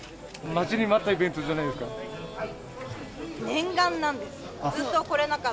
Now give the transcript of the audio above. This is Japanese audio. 待ちに待ったイベントじゃないですか。